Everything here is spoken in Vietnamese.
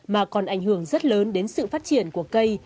mà còn ảnh hưởng rất lớn đến sự phát triển của cây